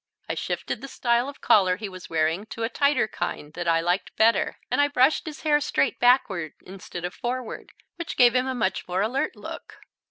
I shifted the style of collar he was wearing to a tighter kind that I liked better, and I brushed his hair straight backward instead of forward, which gave him a much more alert look.